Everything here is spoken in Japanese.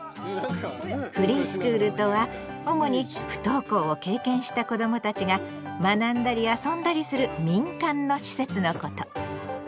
フリースクールとは主に不登校を経験した子どもたちが学んだり遊んだりする民間の施設のこと。